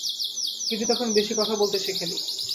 Katie তখন বেশি কথা বলতে শেখে নি।